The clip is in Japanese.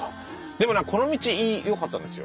でもなんかこの道いいよかったんですよ。